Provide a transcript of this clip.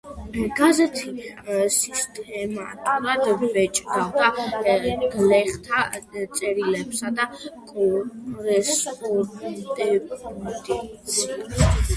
გაზეთი სისტემატურად ბეჭდავდა გლეხთა წერილებსა და კორესპონდენციებს.